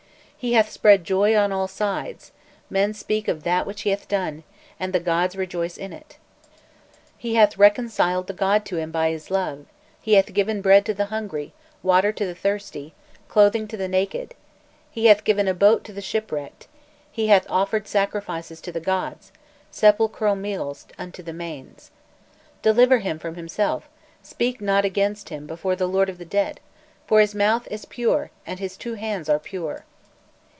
He hath spread joy on all sides; men speak of that which he hath done, and the gods rejoice in it. He hath reconciled the god to him by his love; he hath given bread to the hungry, water to the thirsty, clothing to the naked; he hath given a boat to the shipwrecked; he hath offered sacrifices to the gods, sepulchral meals unto the manes. Deliver him from himself, speak not against him before the Lord of the Dead, for his mouth is pure, and his two hands are pure!"